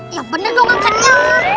ya bener dong angkatnya